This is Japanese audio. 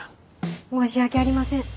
申し訳ありません